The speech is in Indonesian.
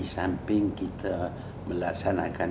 samping kita melaksanakan